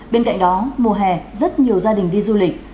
bên cạnh đó mùa hè rất nhiều gia đình đi du lịch